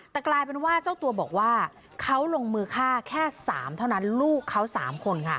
แต่กลายเป็นว่าเจ้าตัวบอกว่าเขาลงมือฆ่าแค่๓เท่านั้นลูกเขา๓คนค่ะ